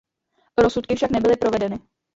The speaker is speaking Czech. Rozsudky však nebyly provedeny.